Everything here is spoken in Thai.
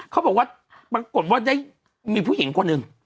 เขาบอกว่าปรากฏว่าได้มีผู้หญิงคนหนึ่ง